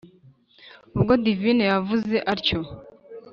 ubwo divine yavuze atyo,